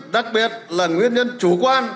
đặc biệt là nguyên nhân chủ quan